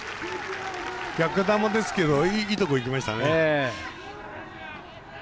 逆球ですけどいいところいきましたね。